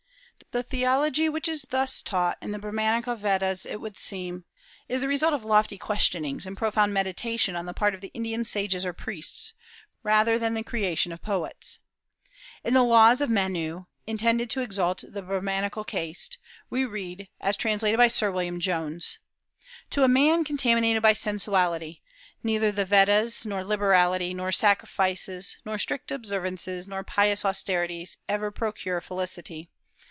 The theology which is thus taught in the Brahmanical Vedas, it would seem, is the result of lofty questionings and profound meditation on the part of the Indian sages or priests, rather than the creation of poets. In the laws of Menu, intended to exalt the Brahmanical caste, we read, as translated by Sir William Jones: "To a man contaminated by sensuality, neither the Vedas, nor liberality, nor sacrifices, nor strict observances, nor pious austerities, ever procure felicity....